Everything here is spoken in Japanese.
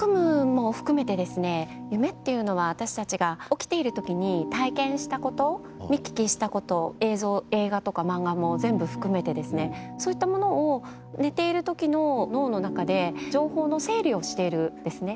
夢っていうのは私たちが起きている時に体験したこと見聞きしたこと映像映画とかまんがも全部ふくめてですねそういったものを寝ている時の脳の中で情報の整理をしているんですね。